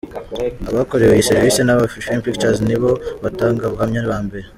Abakorewe iyi serivisi na Afrifame Pictures nibo batangabuhamya ba mbere.